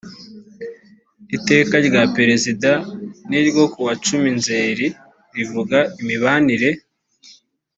iteka rya perezida n ryo ku wa cumi nzeri rivuga imibanire